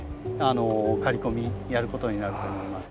刈り込みやることになると思います。